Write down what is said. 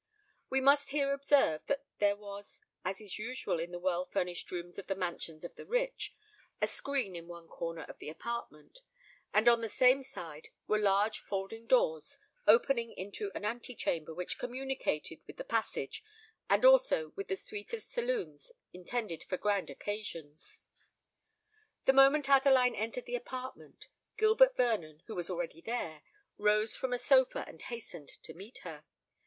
We must here observe that there was, as is usual in the well furnished rooms of the mansions of the rich, a screen in one corner of the apartment; and on the same side were large folding doors opening into an ante chamber, which communicated with the passage and also with the suite of saloons intended for grand occasions. The moment Adeline entered the apartment, Gilbert Vernon, who was already there, rose from a sofa and hastened to meet her.